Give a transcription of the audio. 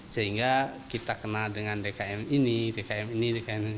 sehingga kita kenal dengan dkm ini dkm ini dkm